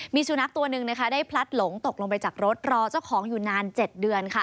มีสุนัขตัวหนึ่งได้พลัดหลงตกลงไปจากรถรอเจ้าของอยู่นาน๗เดือน